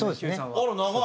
あら長い。